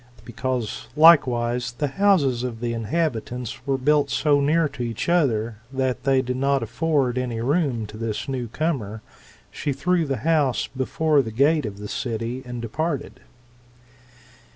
Because, likewise, the houses of the inhabitants were built so near to each other, that they did not afford any room to this new comer, she threw the house before the gate of the city, and departed.